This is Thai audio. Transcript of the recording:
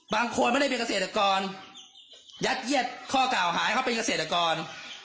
บางคนไม่ได้เป็นเกษตรกรยัดเยียดข้อกล่าวหาให้เขาเป็นเกษตรกร